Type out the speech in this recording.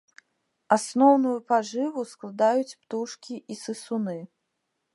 Асноўную пажыву складаюць птушкі і сысуны.